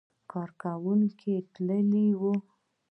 کارکوونکي یې تللي وو.